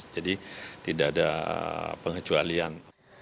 jadi tidak ada pengecualian